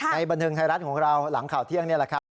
บันเทิงไทยรัฐของเราหลังข่าวเที่ยงนี่แหละครับ